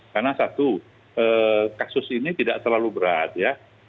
karena satu kasus ini tidak terlalu berat ya